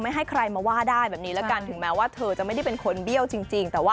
ให้ใครมาว่าได้แบบนี้แล้วกันถึงแม้ว่าเธอจะไม่ได้เป็นคนเบี้ยวจริง